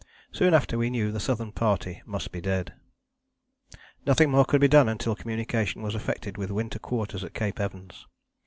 Soon after we knew the Southern Party must be dead. Nothing more could be done until communication was effected with Winter Quarters at Cape Evans.